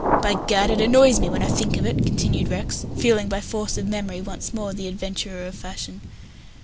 "By Gad, it annoys me when I think of it," continued Rex, feeling, by force of memory, once more the adventurer of fashion.